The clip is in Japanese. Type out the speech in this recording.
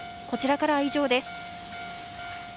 こちらからは以上です。